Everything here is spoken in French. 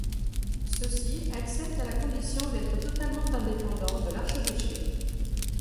Ceux-ci acceptent à la condition d’être totalement indépendants de l’archevêché.